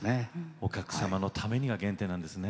お客様のためにが原点なんですね。